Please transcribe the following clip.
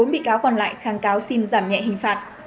bốn bị cáo còn lại kháng cáo xin giảm nhẹ hình phạt